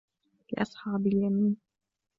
لأصحاب اليمين